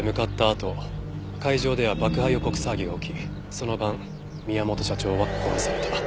あと会場では爆破予告騒ぎが起きその晩宮本社長は殺された。